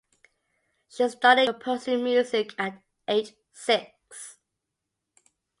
She started composing music at age six.